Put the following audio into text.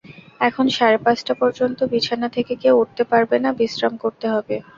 এখন সাড়ে পাঁচটা পর্যন্ত বিছানা থেকে কেউ উঠতে পারবে না– বিশ্রাম করতে হবে।